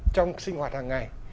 trong sinh hoạt hàng ngày